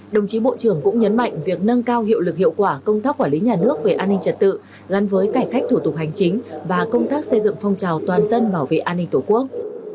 đồng chí bộ trưởng cũng nhấn mạnh việc nâng cao hiệu lực hiệu quả công tác quản lý nhà nước về an ninh trật tự gắn với cải cách thủ tục hành chính và công tác xây dựng phong trào toàn dân bảo vệ an ninh tổ quốc